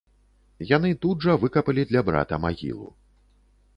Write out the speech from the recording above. Яны тут жа выкапалі для брата магілу.